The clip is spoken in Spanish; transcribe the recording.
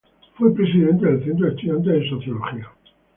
Fue presidente del Centro de Estudiantes de Sociología.